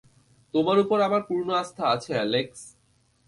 তোমার উপর আমার পূর্ণ আস্থা আছে, অ্যালেক্স!